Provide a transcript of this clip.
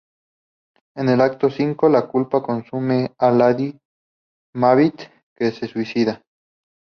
En el acto V, la culpa consume a lady Macbeth, que se suicida.